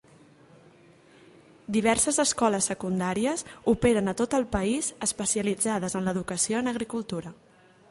Diverses escoles secundàries operen a tot el país especialitzades en l'educació en agricultura.